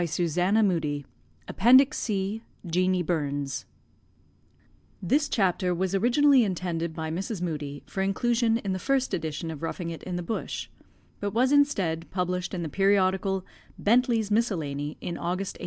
Susanna Moodie Belleville, 1871 APPENDIX C JEANIE BURNS [This chapter was originally intended by Mrs. Moodie for inclusion in the first edition of Roughing it in the Bush but was instead published in the periodical Bentley's Miscellany, in August 1852.